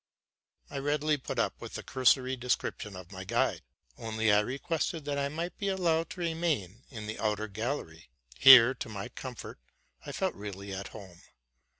I readily put up with the cursory description of my guide, only I requested that I might be allowed to remain in the outer gallery. Here, to my comfort, I felt really at home.